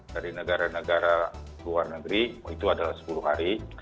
dari negara negara luar negeri itu adalah sepuluh hari